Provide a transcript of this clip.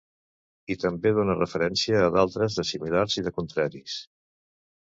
I també done referència a d'altres de similars i de contraris.